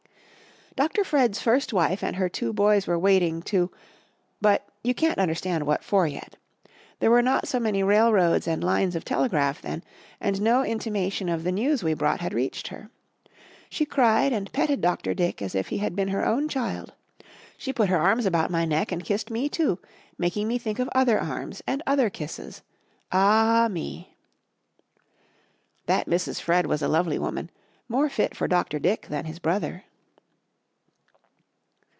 Dr. Fred's first wife and her two boys were waiting to but you can't understand what for yet. There were not so many railroads and lines of telegraph then, and no intimation of the news we brought had reached her. She cried and petted Dr. Dick as if he had been her own child. She put her arms about my neck and kissed me, too, making me think of other arms and other kisses. Ah me! That Mrs. Fred was a lovely woman, more fit for Dr. Dick than his brother.